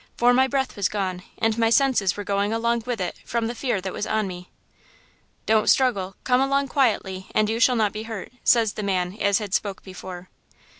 for my breath was gone and my senses were going along with it from the fear that was on me. "'Don't struggle; come along quietly, and you shall not be hurt,' says the man as had spoke before.